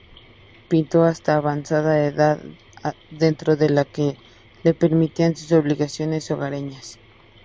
Pintó hasta avanzada edad, dentro de lo que le permitían sus obligaciones hogareñas.